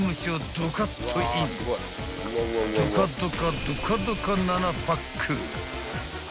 ［ドカドカドカドカ７パック］